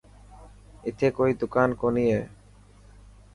اٿي ڪوئي دڪان ڪوني هي.